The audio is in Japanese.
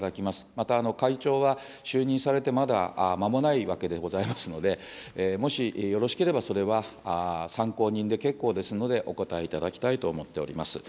また、会長は就任されてまだ間もないわけでございますので、もしよろしければ、それは参考人で結構ですので、お答えいただきたいと思っております。